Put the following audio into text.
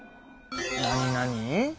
なになに？